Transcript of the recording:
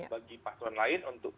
bagi paslon lain untuk